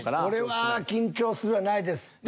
俺は「緊張する」はないです。